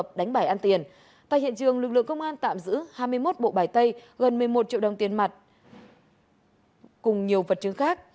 tại hiện trường lực lượng công an tạm giữ hai mươi một bộ bài tay gần một mươi một triệu đồng tiền mặt cùng nhiều vật chứng khác